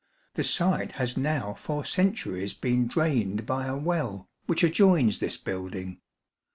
The site has now for centuries been drained by a well, which adjoins this building.